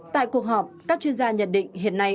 tại cuộc họp các chuyên gia nhận định